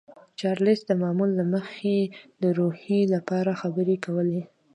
چارلیس د معمول له مخې د روحیې لپاره خبرې کولې